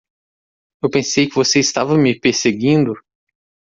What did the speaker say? Eu pensei que você estava me perseguindo?